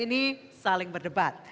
ini saling berdebat